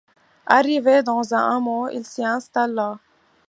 Arrivé dans un hameau, il s'y installa.